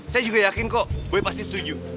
saya juga yakin kok gue pasti setuju